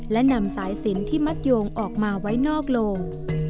และนำสายสินที่มัดโยงออกมาไว้นอกโลง